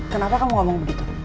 kenapa kamu ngomong begitu